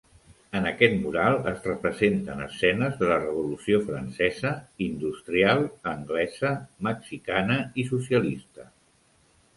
En aquest mural es representen escenes de les revolució francesa, industrial, anglesa, mexicana i socialista.